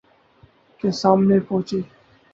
کے سامنے پہنچی